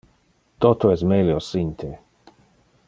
Toto es melio sin te.